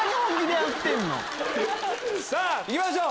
さぁ行きましょう！